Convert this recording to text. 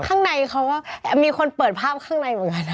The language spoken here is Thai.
ข้างในเขาก็มีคนเปิดภาพข้างในเหมือนกัน